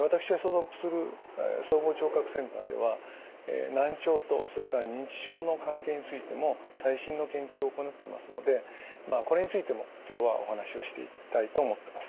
私が所属する総合聴覚センターでは難聴とそれから認知症の関係についても最新の研究を行ってますのでこれについても今日はお話をしていきたいと思ってます。